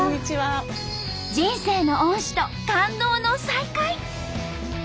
人生の恩師と感動の再会。